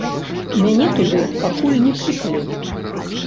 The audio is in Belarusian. Мяне туды пакуль не клікалі.